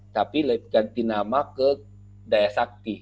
tapi lebih ganti nama ke daya sakti